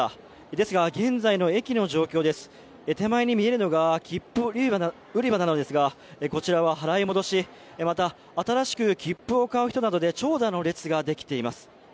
ですが、現在の駅の状況です、手前に見えるのが切符売り場なんですが、こちらは払い戻し、また新しく切符を買う人などで長蛇の列が出来ています。